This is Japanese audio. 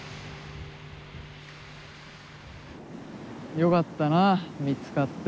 よかったな見つかって。